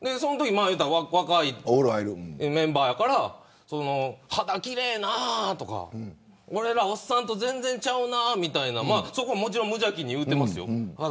若いメンバーやから肌奇麗なーとか俺らおっさんと全然ちゃうなとか無邪気に言ってますよ。